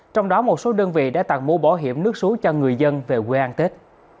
trong đó một số đơn vị đã tặng mũ bảo hiểm nước suối cho người dân về quê ăn tết